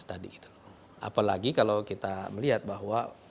apalagi kalau kita melihat bahwa